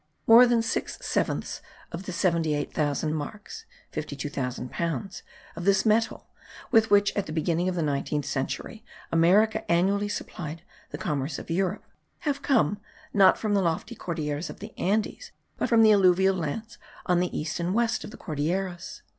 More than six sevenths of the seventy eight thousand marks (52,000 pounds) of this metal, with which at the beginning of the 19th century America annually supplied the commerce of Europe, have come, not from the lofty Cordilleras of the Andes, but from the alluvial lands on the east and west of the Cordilleras.